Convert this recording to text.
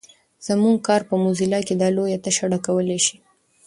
زموږ کار په موزیلا کې دا لویه تشه ډکولای شي.